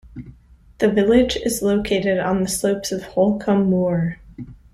The village is located on the slopes of Holcombe Moor.